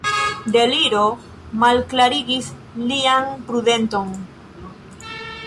Deliro malklarigis lian prudenton.